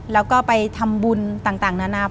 แล้วก็ไปทำบุญต่างนานา